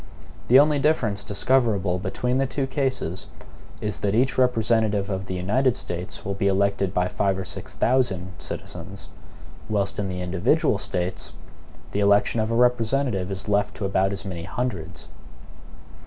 The only difference discoverable between the two cases is, that each representative of the United States will be elected by five or six thousand citizens; whilst in the individual States, the election of a representative is left to about as many hundreds.